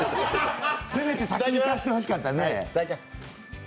せめて先にいかせてほしかったね。